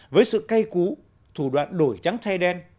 với sự cay cú thủ đoạn đổi trắng thay đen